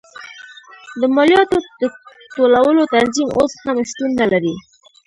د مالیاتو د ټولولو تنظیم اوس هم شتون نه لري.